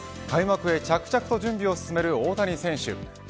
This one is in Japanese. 開幕へ着々と準備を進める大谷選手